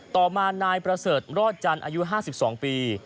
ต่อมานายประเสริฐรอดจันทร์อายุ๕๒ปี